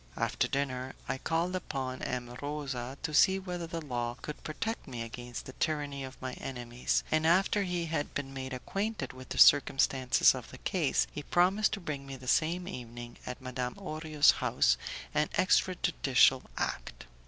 After dinner I called upon M. Rosa to see whether the law could protect me against the tyranny of my enemies, and after he had been made acquainted with the circumstances of the case, he promised to bring me the same evening, at Madame Orio's house, an extra judicial act.